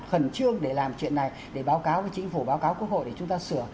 khẩn trương để làm chuyện này để báo cáo với chính phủ báo cáo quốc hội để chúng ta sửa